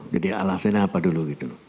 jadi alasannya apa dulu